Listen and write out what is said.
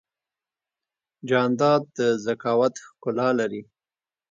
جانداد د ذکاوت ښکلا لري.